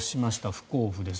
不交付です。